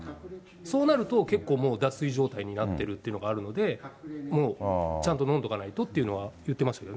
そうなると、結構もう脱水状態になってるというのがあるので、ちゃんとのんどかないとというのは言ってましたね。